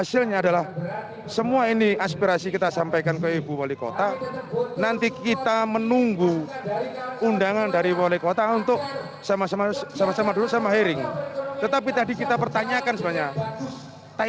seni termasuk juga dekor event